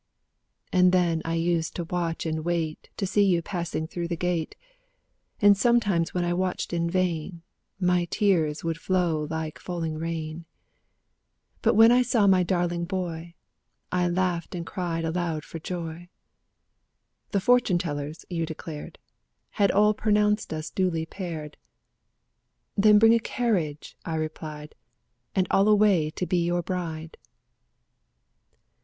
And then I used to watch and wait To see you passing through the gate; And sometimes when I watched in vain, My tears would flow like falling rain; 4 But when I saw my darling boy, I laughed and cried aloud for joy. The fortune tellers, you declared. Had all pronounced us duly paired; "Then bring a carriage," I replied, "And I'll away to be your bride."